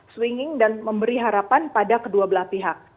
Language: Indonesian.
swinging dan memberi harapan pada kedua belah pihak